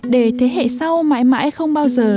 để thế hệ sau mãi mãi không bao giờ